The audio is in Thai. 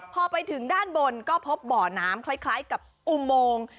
พอไปถึงด้านบนก็พบบ่อน้ำคล้ายกับอุโมง